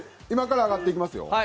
今から上がっていきますよ。